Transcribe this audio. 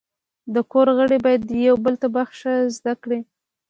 د کور غړي باید یو بل ته بخښنه زده کړي.